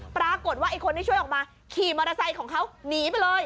ปรากฏว่าไอ้คนที่ช่วยออกมาขี่มอเตอร์ไซค์ของเขาหนีไปเลย